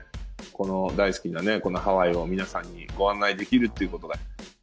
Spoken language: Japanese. この大好きなハワイを皆さんにご案内できるということが。